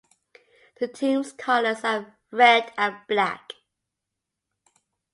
The team's colours are red and black.